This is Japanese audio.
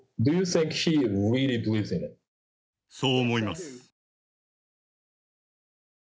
そう思います。